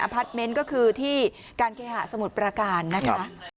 พาร์ทเมนต์ก็คือที่การเคหะสมุทรประการนะคะ